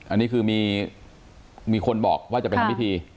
อันนี้คือมีคนบอกว่าจะไปทำพิธี